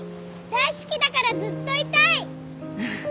大好きだからずっといたい！